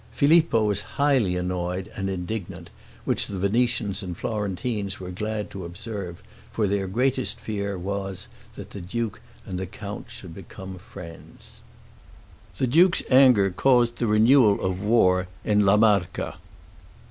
Filippo was highly annoyed and indignant, which the Venetians and the Florentines were glad to observe, for their greatest fear was, that the duke and the count should become friends. The duke's anger caused the renewal of war in La Marca.